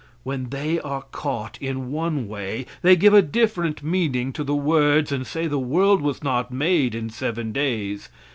When they are caught in one way they give a different meaning to the words and say the world was not made in seven days.